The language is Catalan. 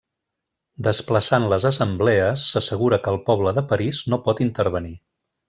Desplaçant les assemblees, s'assegura que el poble de París no pot intervenir.